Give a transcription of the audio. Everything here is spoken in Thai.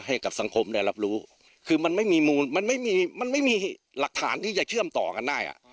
ให้กับสังคมได้รับรู้คือมันไม่มีมูลมันไม่มีมันไม่มีหลักฐานที่จะเชื่อมต่อกันได้อ่ะ